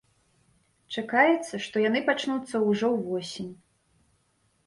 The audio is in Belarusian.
Чакаецца, што яны пачнуцца ўжо ўвосень.